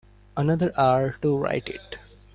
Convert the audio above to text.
Another hour to write it.